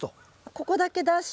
ここだけ出して。